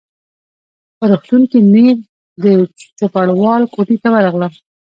په روغتون کي نیغ د چوپړوال کوټې ته ورغلم.